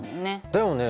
だよね？